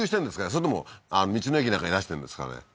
それとも道の駅なんかに出してるんですかね？